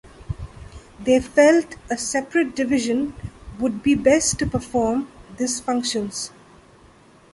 They felt a separate division would be best to perform these functions.